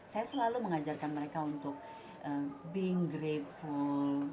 saya selalu mengajarkan mereka untuk berterima kasih